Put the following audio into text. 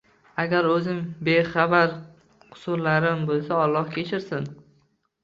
Agar o'zim bexabar qusurlarim bo'lsa, Alloh kechirsin